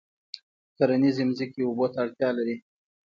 کرنیزې ځمکې اوبو ته اړتیا لري.